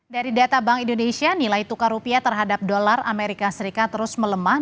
dari data bank indonesia nilai tukar rupiah terhadap dolar amerika serikat terus melemah